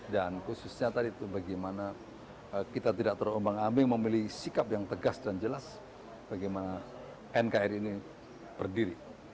dan khususnya tadi itu bagaimana kita tidak terumbang ambing memilih sikap yang tegas dan jelas bagaimana nkri ini berdiri